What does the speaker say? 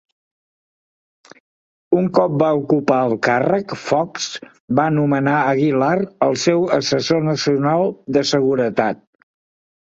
Un cop va ocupar el càrrec, Fox va nomenar Aguilar el seu assessor nacional de seguretat.